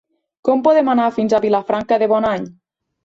Com podem anar fins a Vilafranca de Bonany?